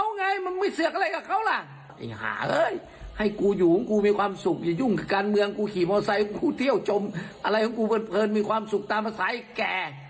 อะไรของกูเที่ยวจมอะไรของกูเผินมีความสุขตามภาษาไอ้แก่